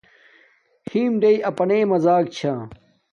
حِݵم ڈݵئنݳئی اَپَنݵئ مزݳک چھݳ.